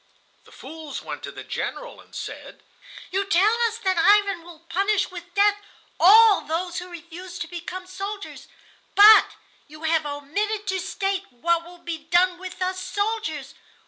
The fools went to the General; and said: "You tell us that Ivan will punish with death all those who refuse to become soldiers, but you have omitted to state what will be done with us soldiers.